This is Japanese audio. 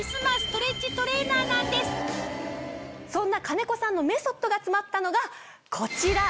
そんな兼子さんのメソッドが詰まったのがこちら。